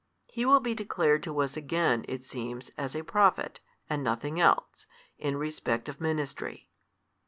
He will be declared to us again (it seems) as a Prophet, and nothing else, in respect of ministry.